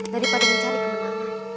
daripada mencari kemenanganmu